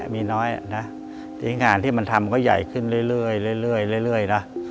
มีน้อยนะที่งานที่มันทำก็ใหญ่ขึ้นเรื่อยนะ